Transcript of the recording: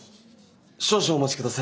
少々お待ちください。